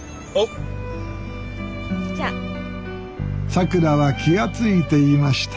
さくらは気が付いていました。